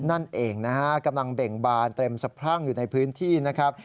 นั่นเองนะฮะกำลังเบ่งบานเต็มสะพรั่งอยู่ในพื้นที่นะครับ